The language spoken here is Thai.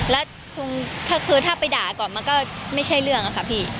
แล้วคงถ้าคือถ้าไปด่าก่อนมันก็ไม่ใช่เรื่องอะค่ะพี่